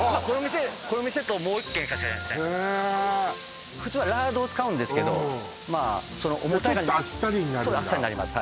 この店ともう１軒しかへえ普通はラードを使うんですけどじゃあちょっとあっさりになるんだあっさりになります